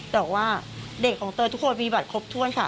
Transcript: แต่ว่าเด็กของเตยทุกคนมีบัตรครบถ้วนค่ะ